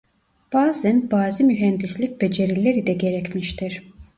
Bazen bazı mühendislik becerileri de gerekmiştir.